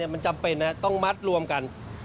มันจำเป็นต้องมัดรวมกัน